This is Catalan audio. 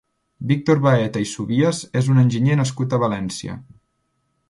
Víctor Baeta i Subías és un enginyer nascut a València.